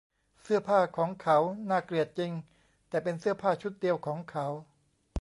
เสื้อผ้าของเขาน่าเกลียดจริง แต่เป็นเสื้อผ้าชุดเดียวของเขา